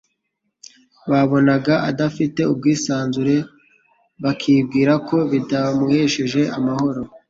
babonaga adafite ubwisanzure bakibwira ko bitamuhesheje amahoro.